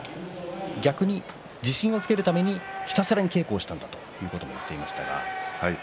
逆に自信をつけるためにひたすら稽古したという話をしていました。